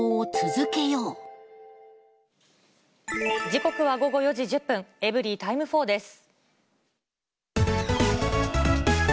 時刻は午後４時１０分、エブリィタイム４です。